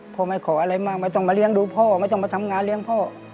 ไม่ขออะไรมากไม่ต้องมาเลี้ยงดูพ่อไม่ต้องมาทำงานเลี้ยงพ่อ